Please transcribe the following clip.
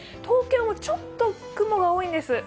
東京もちょっと雲が多いんです。